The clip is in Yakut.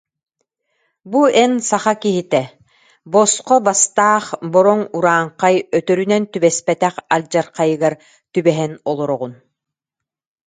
Бу эн саха киһитэ, босхо бастаах бороҥ урааҥхай өтөрүнэн түбэспэтэх алдьархайыгар түбэһэн олороҕун